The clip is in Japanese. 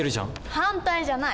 反対じゃない。